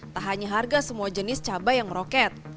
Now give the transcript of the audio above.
tak hanya harga semua jenis cabai yang roket